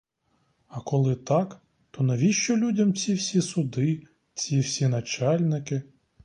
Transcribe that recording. А коли так, то навіщо людям ці всі суди, ці всі начальники?